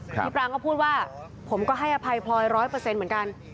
ปรางก็พูดว่าผมก็ให้อภัยพลอย๑๐๐เหมือนกัน